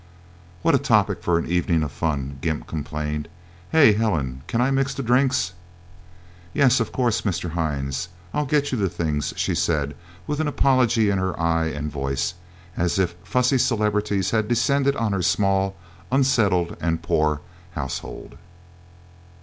"What a topic for an evening of fun," Gimp complained. "Hey, Helen can I mix the drinks?" "Yes of course, Mr. Hines. I'll get you the things," she said with apology in her eyes and voice, as if fussy celebrities had descended on her small, unsettled, and poor household.